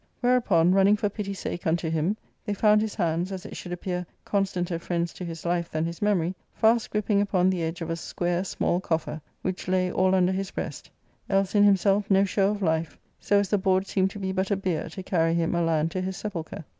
Whereupon, running for pity sake unto him, they found his hands (as it should appear, con stanter friends to his life than his memory) fast griping upon the edge of a square small coffer which lay all under his breast ; else in himself no show of life, so as the board seemed to be but a bier to carry him a land to his sepulchre.